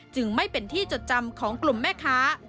จึงไม่เป็นที่จดจำของกลุ่มแม่ค้า